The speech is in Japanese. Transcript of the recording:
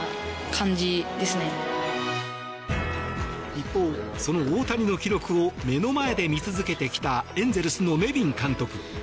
一方、その大谷の記録を目の前で見続けてきたエンゼルスのネビン監督。